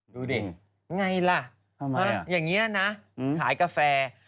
ดูดิไงล่ะอย่างนี้นะขายกาแฟ